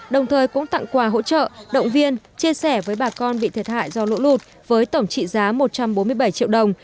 đồng thời cũng tặng quà hỗ trợ động viên chia sẻ với bà con bị thiệt hại do lũ lụt với tổng trị giá một trăm bốn mươi bảy triệu đồng